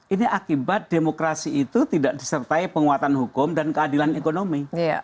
ini akibat demokrasi itu tidak disertai penguatan hukum dan keadilan ekonomi